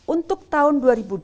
untuk tahun dua ribu dua puluh